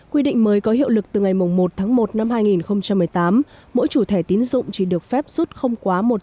quy định mới có hiệu lực từ ngày một một hai nghìn một mươi tám mỗi chủ thẻ tín dụng chỉ được phép rút không quá một trăm linh